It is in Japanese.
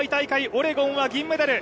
オレゴンは銀メダル。